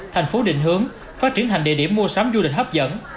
thành phố định hướng phát triển thành địa điểm mua sắm du lịch hấp dẫn